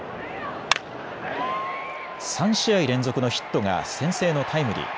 ３試合連続のヒットが先制のタイムリー。